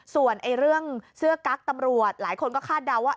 ส่วนเรื่องเสื้อกั๊กตำรวจหลายคนก็คาดเดาว่า